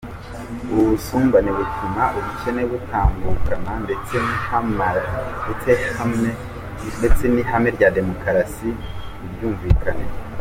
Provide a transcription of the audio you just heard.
Ubu busumbane butuma ubukene butagabanuka ndetse n’ihame rya demokarasi ntiryumvikane.